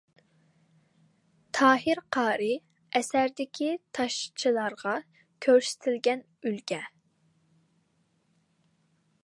تاھىر قارى ئەسەردىكى تاشچىلارغا كۆرسىتىلگەن ئۈلگە.